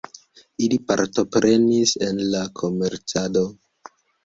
Ili partoprenis en la komercado.